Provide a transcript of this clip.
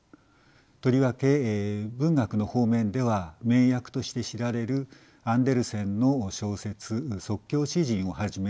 とりわけ文学の方面では名訳として知られるアンデルセンの小説「即興詩人」をはじめ